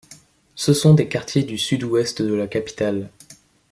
Ce sont des quartiers du sud-ouest de la capitale.